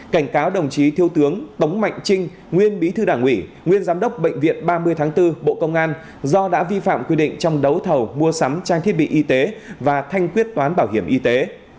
cảnh cáo đồng chí thiếu tướng tống mạnh trinh nguyên bí thư đảng ủy nguyên giám đốc bệnh viện ba mươi tháng bốn bộ công an do đã vi phạm quy định trong đấu thầu mua sắm trang thiết bị y tế và thanh quyết toán bảo hiểm y tế